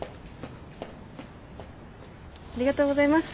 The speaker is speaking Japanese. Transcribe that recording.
ありがとうございます。